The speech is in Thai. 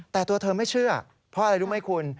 แต่ตัวเธอไม่เชื่อเพราะอะไรรู้ไหมคุณ